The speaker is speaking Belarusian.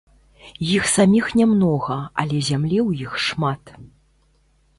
Іх саміх нямнога, але зямлі ў іх шмат.